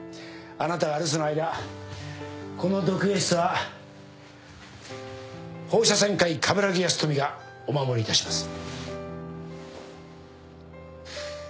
あなたが留守の間この読影室は放射線科医鏑木安富がお守りいたします。